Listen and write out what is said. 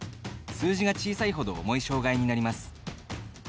数字が小さいほど重い障がいになります。